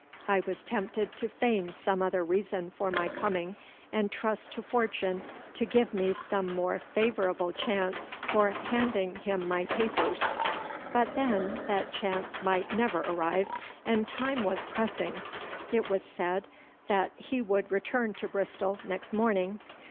I was tempted to feign some other reason for my coming, and trust to fortune to give me some more favourable chance for handing him my papers. But then that chance might never arrive, and time was pressing. It was said that he would return to Bristol next morning.